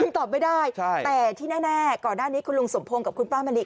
ตอบไม่ได้แต่ที่แน่ก่อนหน้านี้คุณลุงสมพงศ์กับคุณป้ามณิ